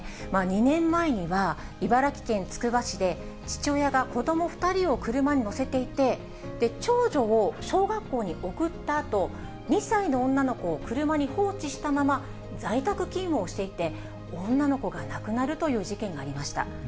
２年前には、茨城県つくば市で、父親が子ども２人を車に乗せていて、長女を小学校に送ったあと、２歳の女の子を車に放置したまま、在宅勤務をしていて、女の子が亡くなるという事件がありました。